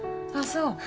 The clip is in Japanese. あっそう。